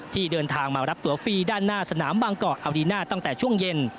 ที่เดินทางมารับตัวฟี่ด้านหน้าสนามบางกอกอารีน่าตั้งแต่ช่วงเย็น